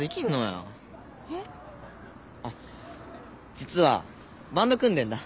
実はバンド組んでんだ。